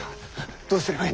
どうすればええ